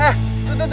eh tuh tuh tuh